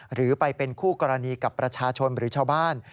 หรือไปเป็นคู่กรณีกับประชาชนหรือชาวบ้าน